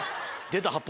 出た。